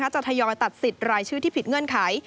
ทยอยตัดสิทธิ์รายชื่อที่ผิดเงื่อนไข